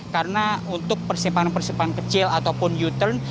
karena untuk persimpanan persimpanan kecil ataupun u turn